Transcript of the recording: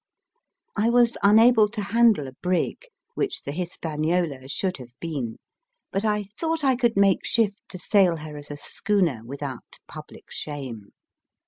I was unable to handle a brig (which the Hispaniola should have been), but I thought I could make shift to sail her as a schooner without public shame.